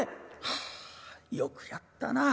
「はあよくやったな。